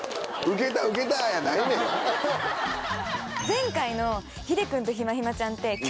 前回の秀君とひまひまちゃんて。